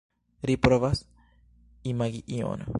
Ri provas imagi ion.